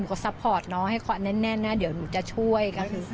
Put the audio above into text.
หนูก็ซัพพอร์ตน้องให้ความแน่นนะเดี๋ยวหนูจะช่วย